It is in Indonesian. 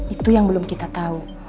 itu yang belum kita tahu